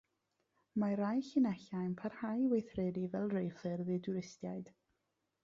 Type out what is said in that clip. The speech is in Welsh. Mae rhai llinellau'n parhau i weithredu fel rheilffyrdd i dwristiaid.